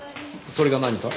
それが何か？